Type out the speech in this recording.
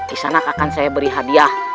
kisanak akan saya beri hadiah